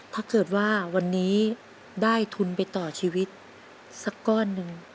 ถ้าเกิดว่าวันนี้ได้ทุนไปต่อชีวิตสักก้อนหนึ่ง